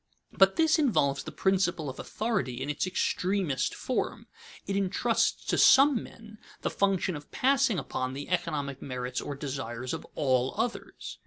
But this involves the principle of authority in its extremest form. It intrusts to some men the function of passing upon the economic merits or desires of all others.